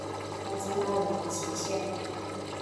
他知道我的极限